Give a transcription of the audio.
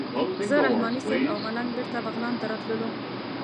زه رحماني صیب او ملنګ بېرته بغلان ته راتللو.